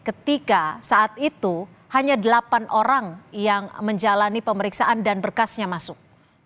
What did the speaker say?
ketika saat itu hanya delapan orang yang menjalani pemeriksaan dan berkasnya masuk